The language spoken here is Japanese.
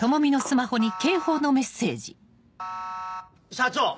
社長！